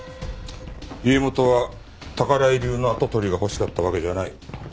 家元は宝居流の跡取りが欲しかったわけじゃない。